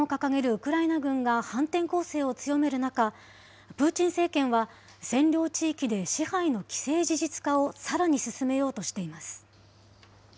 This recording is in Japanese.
ウクライナ軍が反転攻勢を強める中、プーチン政権は、占領地域で支配の既成事実化をさらに進めようとしています。